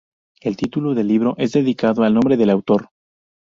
El título del libro es dedicado al nombre del autor.